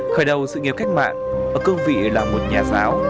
khởi đầu sự nghiệp cách mạng ở cương vị là một nhà giáo